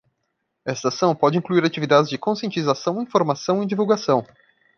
Esta ação pode incluir atividades de conscientização, informação e divulgação.